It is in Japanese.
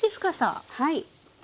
はい。